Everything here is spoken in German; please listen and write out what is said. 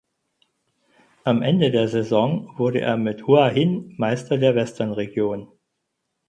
Am Ende der Saison wurde er mit Hua Hin Meister der Western Region.